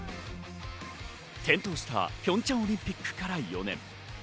転倒したピョンチャンオリンピックから４年。